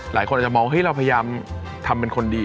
หลายคนอาจจะมองเราพยายามทำเป็นคนดี